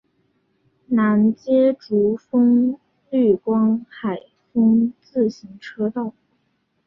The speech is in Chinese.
南接竹风绿光海风自行车道。